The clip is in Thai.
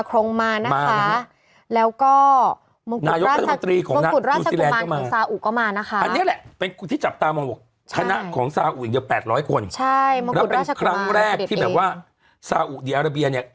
ครั้งแรกที่ที่สาอู่เดียราเบียเนี่ย